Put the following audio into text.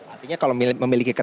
artinya kalau memiliki ketentuan